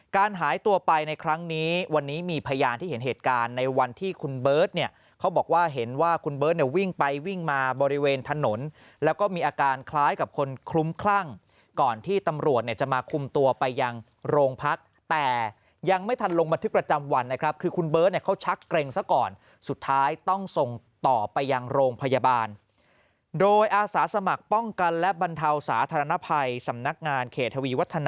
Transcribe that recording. การหายตัวไปในครั้งนี้วันนี้มีพยานที่เห็นเหตุการณ์ในวันที่คุณเบิร์ทเนี่ยเขาบอกว่าเห็นว่าคุณเบิร์ทเนี่ยวิ่งไปวิ่งมาบริเวณถนนแล้วก็มีอาการคล้ายกับคนคลุมครั่งก่อนที่ตำรวจเนี่ยจะมาคุมตัวไปยังโรงพักแต่ยังไม่ทันลงบันทึกประจำวันนะครับคือคุณเบิร์ทเนี่ยเขาชักเกร็งซะก่อนสุดท้ายต